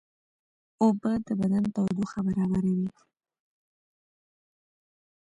اوبه د بدن تودوخه برابروي